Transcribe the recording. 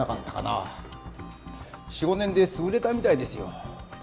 ４５年で潰れたみたいですよ。